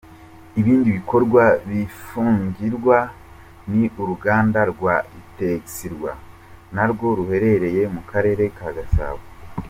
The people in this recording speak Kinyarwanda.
Ibindi bikorwa bizafungirwa ni uruganda rwa Utexirwa na rwo ruherereye mu Karere ka Gasabo.